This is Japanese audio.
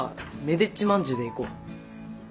でっちまんじゅうでいこう。